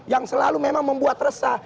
yang selalu memang membuat resah